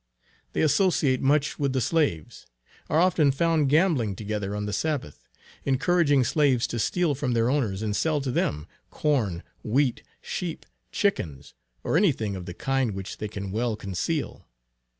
They associate much with the slaves; are often found gambling together on the Sabbath; encouraging slaves to steal from their owners, and sell to them, corn, wheat, sheep, chickens, or any thing of the kind which they can well conceal.